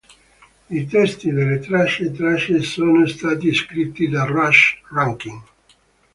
I testi delle tracce tracce sono stati scritti da Russ Rankin.